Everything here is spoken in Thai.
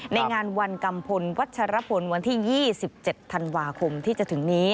ในงานวันกัมพลวัชรพลวันที่๒๗ธันวาคมที่จะถึงนี้